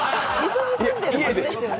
家でしょ？